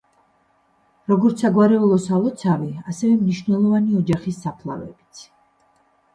როგორც საგვარეულო სალოცავი ასევე მნიშვნელოვანი ოჯახის საფლავებიც.